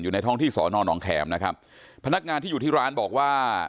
ในท้องที่สอนอนองแขมนะครับพนักงานที่อยู่ที่ร้านบอกว่า